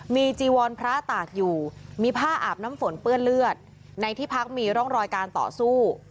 มีจีวรพระตากอยู่มีผ้าอาบน้ำฝนเปื้อนเลือดในที่พักมีร่องรอยการต่อสู้